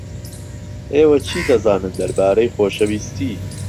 ئێوە چی دەزانن دەربارەی خۆشەویستی؟